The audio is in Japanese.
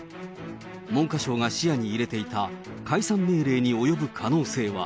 文科省が視野に入れていた、解散命令に及ぶ可能性は。